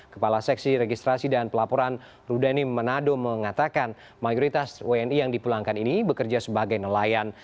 kepala seksi registrasi dan pelaporan rudani manado mengatakan mayoritas wni yang dipulangkan ini bekerja sebagai nelayan